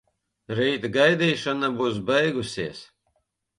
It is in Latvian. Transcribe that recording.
Rīt gaidīšana būs beigusies.